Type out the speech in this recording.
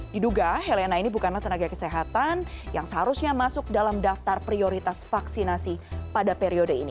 diduga helena ini bukanlah tenaga kesehatan yang seharusnya masuk dalam daftar prioritas vaksinasi pada periode ini